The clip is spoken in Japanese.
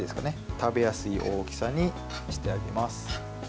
食べやすい大きさにしてあげます。